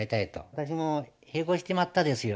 私も閉口しちまったですよ。